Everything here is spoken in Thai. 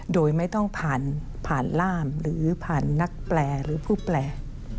โดยไม่ต้องผ่านผ่านล่ามหรือผ่านนักแปลหรือผู้แปล